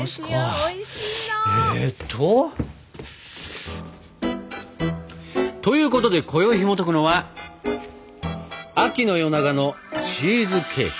おいしいの。ということでこよいひもとくのは「秋の夜長のチーズケーキ」。